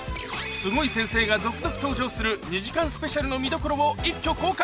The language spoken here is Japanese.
スゴい先生が続々登場する２時間スペシャルの見どころを一挙公開！